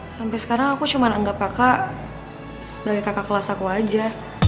sampai sekarang aku cuma anggap kakak sebagai kakak kelas aku aja